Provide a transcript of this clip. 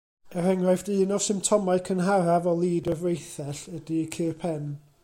Er enghraifft, un o'r symptomau cynharaf o lid y freithell ydy cur pen.